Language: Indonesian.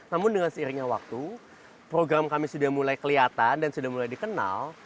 dan dengan seiringnya waktu program kami sudah mulai kelihatan dan sudah mulai dikenal